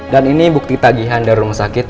dan ini bukti tagihan dari rumah sakit